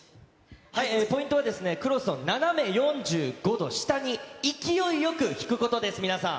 ポイントはクロスを斜め４５度下に勢いよく引くことです、皆さん。